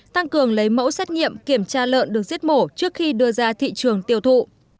tăng cường lấy mẫu xét nghiệm kiểm tra lợn được giết mổ trước khi đưa ra thị trường tiêu thụ